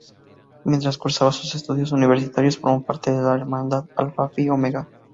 Mientras cursaba sus estudios universitarios formó parte de la hermandad "Alpha Phi Omega".